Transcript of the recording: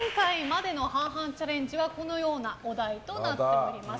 ちなみに前回までの半々チャレンジはこのようなお題となっています。